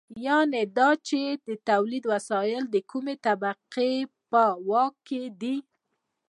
یانې دا چې د تولید وسایل د کومې طبقې په واک کې دي.